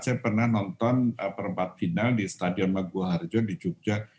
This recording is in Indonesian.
saya pernah nonton perempat final di stadion magu harjo di jogja